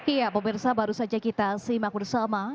iya pemirsa baru saja kita simak bersama